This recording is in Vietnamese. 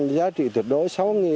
giá trị tuyệt đối